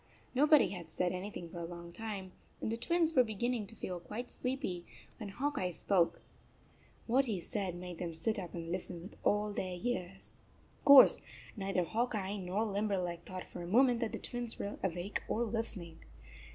Nobody had said anything for a long time, and the Twins 39 were beginning to feel quite sleepy, when Hawk Eye spoke. What he said made them sit up and listen with all their ears. Of course neither Hawk Eye nor Limberleg thought for a moment that the Twins were awake or listening.